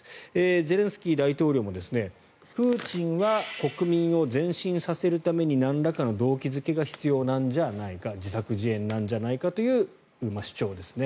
ゼレンスキー大統領もプーチンは国民を前進させるためになんらかの動機付けが必要なんじゃないか自作自演なんじゃないかという主張ですね。